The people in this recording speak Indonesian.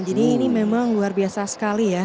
jadi ini memang luar biasa sekali ya